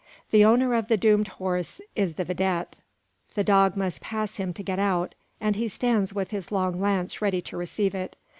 The owner of the doomed horse is the vidette. The dog must pass him to get out, and he stands with his long lance ready to receive it.